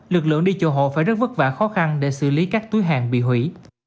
lực lượng đi chùa hộ phải rất vất vả khó khăn để xử lý các túi hàng bị hủy